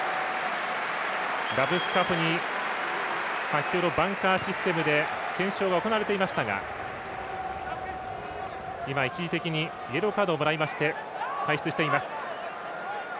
ラブスカフニ先ほどバンカーシステムで検証が行われていましたが一時的にイエローカードをもらいまして退出しています。